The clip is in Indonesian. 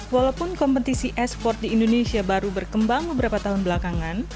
walaupun kompetisi e sport di indonesia baru berkembang beberapa tahun belakangan